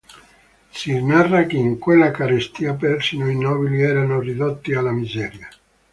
Si narra che in quella carestia persino i nobili erano ridotti alla miseria.